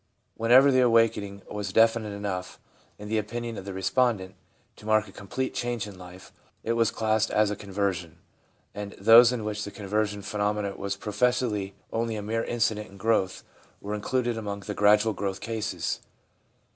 Whenever the awakening was definite enough, in the opinion of the respondent, to mark a complete change in life, it was classed as a conversion, and those in which the conversion phenomenon was pro fessedly only a mere incident in growth were included among the gradual growth cases.